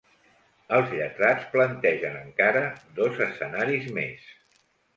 Els lletrats plantegen encara dos escenaris més.